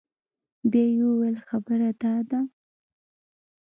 بيا يې وويل خبره دا ده.